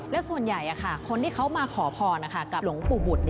และส่วนใหญ่คนที่เขามาขอพรกับหลวงปู่บุตร